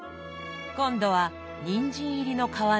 今度はにんじん入りの皮の餃子。